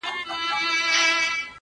o ضمیر غواړم چي احساس د سلګو راوړي,